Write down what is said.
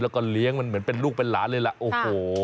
แล้วก็เลี้ยงมันเหมือนเป็นลูกเป็นหลานเลยล่ะโอ้โห